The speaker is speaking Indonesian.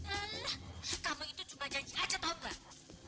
alah kamu itu cuma janji aja tahu nggak